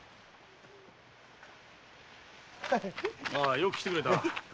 よく来てくれたなあ！